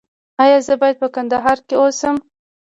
ایا زه باید په کندهار کې اوسم؟